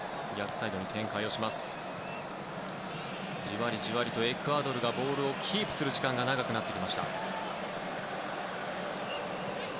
じわりじわりとエクアドルがボールをキープする時間が長くなってきました。